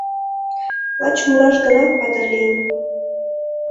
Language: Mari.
Лач мураш гына патыр лийын.